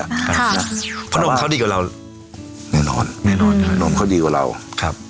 เพราะดูขนาดเหงียวว่าเดี๋ยวพอมาได้ต้องมากมีมีปุ่นเลี้ยว